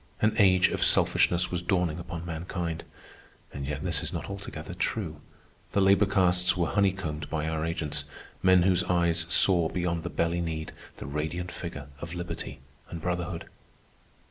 An age of selfishness was dawning upon mankind. And yet this is not altogether true. The labor castes were honeycombed by our agents—men whose eyes saw, beyond the belly need, the radiant figure of liberty and brotherhood.